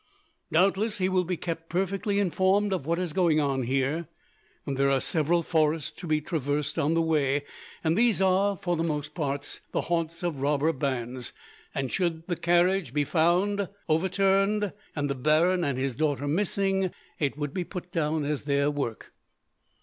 Doubtless, he will be kept perfectly informed of what is going on here. There are several forests to be traversed on the way, and these are, for the most part, the haunts of robber bands; and, should the carriage be found overturned, and the baron and his daughter missing, it would be put down as their work.